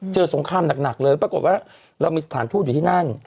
สงครามหนักเลยปรากฏว่าเรามีสถานทูตอยู่ที่นั่น